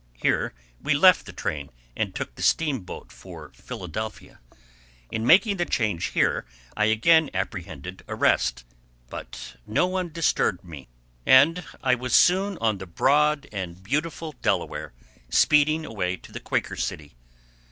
Here we left the train and took the steam boat for Philadelphia. In making the change here I again apprehended arrest, but no one disturbed me, and I was soon on the broad and beautiful Delaware, speeding away to the Quaker City.